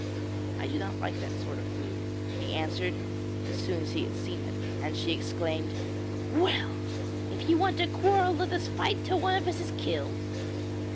'I do not like that sort of food,' he answered as soon as he had seen it; and she exclaimed, 'Well! if you want to quarrel let us fight till one of us is killed.'